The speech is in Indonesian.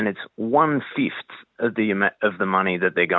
dan itu adalah satu tahun yang akan mereka pengembangkan